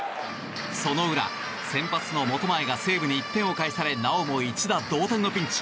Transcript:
その裏、先発の本前が西武に１点を返されなおも一打同点のピンチ。